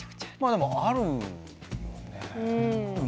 でもあるよね。